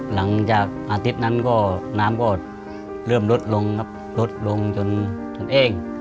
หลังจากอาทิตย์นั้นก็น้ำก็เริ่มลดลงครับลดลงจนเอง